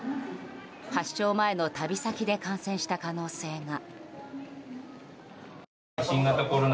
発症前の旅先で感染した可能性が。